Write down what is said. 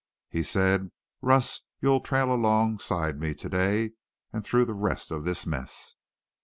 "He said: 'Russ, you'll trail alongside me to day and through the rest of this mess.'